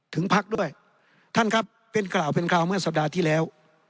พักด้วยท่านครับเป็นกล่าวเป็นคราวเมื่อสัปดาห์ที่แล้ว